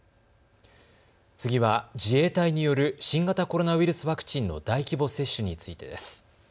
次は自衛隊による新型コロナウイルスワクチンの大規模接種についてです。